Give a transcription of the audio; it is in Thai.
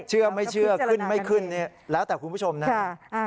เชื่อไม่เชื่อขึ้นไม่ขึ้นเนี่ยแล้วแต่คุณผู้ชมนะ